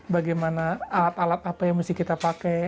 bagaimana alat alat apa yang mesti kita pakai